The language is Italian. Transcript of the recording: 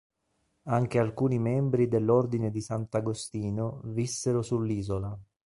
Anche alcuni membri dell'Ordine di Sant'Agostino vissero sull'isola.